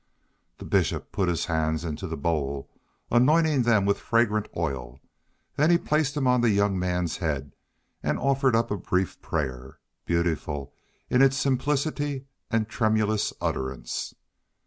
The Bishop put his hands into the bowl, anointing them with fragrant oil; then he placed them on the young man's head, and offered up a brief prayer, beautiful in its simplicity and tremulous utterance.